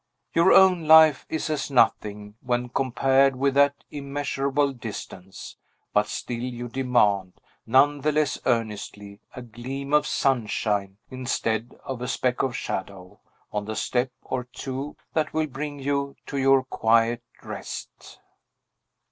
Your own life is as nothing, when compared with that immeasurable distance; but still you demand, none the less earnestly, a gleam of sunshine, instead of a speck of shadow, on the step or two that will bring you to your quiet rest.